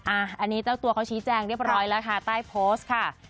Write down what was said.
อันนี้เจ้าตัวเขาชี้แจงเรียบร้อยแล้วค่ะใต้โพสต์ค่ะ